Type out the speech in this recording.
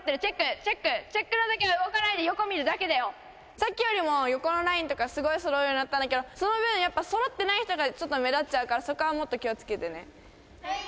チェックのときは動かさっきよりも横のラインとか、すごいそろうようになったんだけど、その分、やっぱそろってない人がちょっと目立っちゃうから、そこはもっと気をつけてね。